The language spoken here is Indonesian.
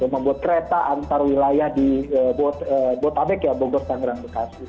membuat kereta antar wilayah di bogor tanggerang bekasi